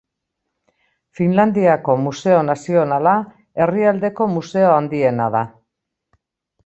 Finlandiako Museo Nazionala herrialdeko museo handiena da.